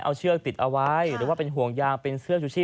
เอาเชือกติดเอาไว้หรือว่าเป็นห่วงยางเป็นเสื้อชูชีพ